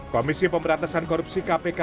komisi pemberantasan korupsi kpk